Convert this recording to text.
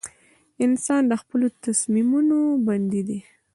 • انسان د خپلو تصمیمونو بندي دی.